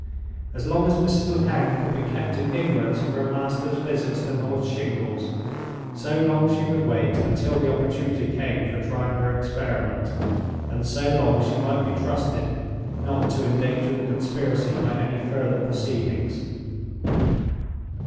As long as Mrs. Lecount could be kept in ignorance of her master's visits to North Shingles, so long she would wait until the opportunity came for trying her experiment, and so long she might be trusted not to endanger the conspiracy by any further proceedings.